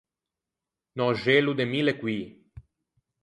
Un öxello de mille coî.